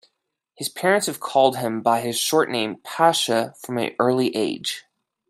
His parents have called him by his short name "Pasha" from an early age.